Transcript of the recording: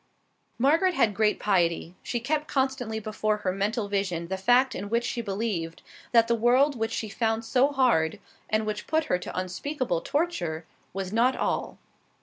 Margaret had great piety. She kept constantly before her mental vision the fact in which she believed, that the world which she found so hard, and which put her to unspeakable torture, was not all.